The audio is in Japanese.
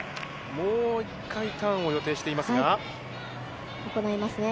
もう一回、ターンを予定して行いますね。